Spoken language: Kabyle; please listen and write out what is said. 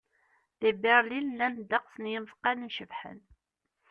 Di Berlin, llan ddeqs n yimeḍqan icebḥen.